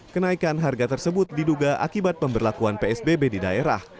kenaikan harga tersebut diduga akibat pemberlakuan psbb di daerah